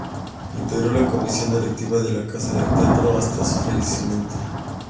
Integró la comisión directiva de la "Casa del Teatro" hasta su fallecimiento.